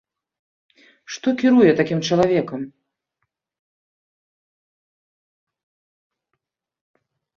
Што кіруе такім чалавекам?